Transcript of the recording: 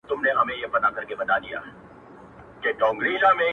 بيا خو هم دى د مدعـا اوبـو ته اور اچــوي”